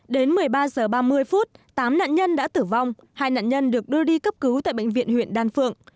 đến một mươi ba h ba mươi tám nạn nhân đã tử vong hai nạn nhân được đưa đi cấp cứu tại bệnh viện huyện đan phượng